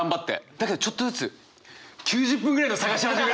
だけどちょっとずつ９０分ぐらいの探し始めるんですよ。